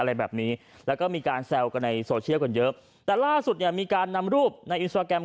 รอบนี้ครั้งที่๑๙แล้ว